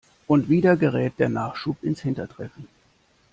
Und wieder gerät der Nachschub ins hintertreffen.